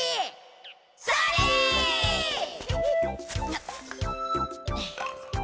よっ！